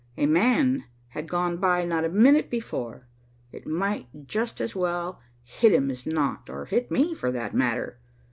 A man had gone by not a minute before. It might just as well hit him as not, or hit me, for that matter.